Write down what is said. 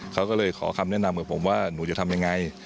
เขาก็เลยขอคำแนะนำกับผมว่าหนูจะทำยังไง